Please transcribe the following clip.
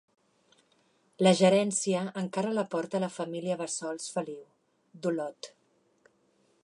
La gerència encara la porta la família Bassols Feliu, d'Olot.